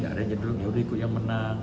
ada yang cenderung yaudah ikut yang menang